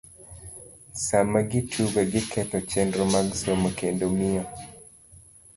Sama gitugo, giketho chenro mag somo, kendo miyo